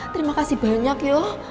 terima kasih banyak ya